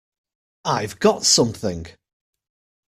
I've got something!